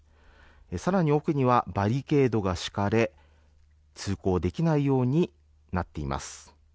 更に奥にはバリケードが敷かれ通行できないようになっています。